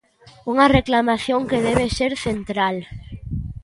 Unha reclamación que debe ser central.